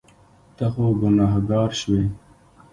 ته خو ګناهګار شوې.